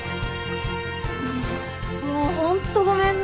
もうホントごめんね。